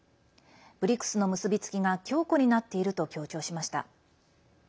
ＢＲＩＣＳの結びつきが強固になっていると強調しました。